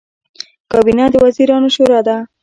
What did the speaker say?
کابینه د وزیرانو شورا ده